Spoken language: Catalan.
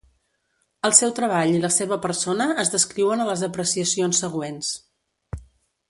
El seu treball i la seva persona es descriuen a les apreciacions següents.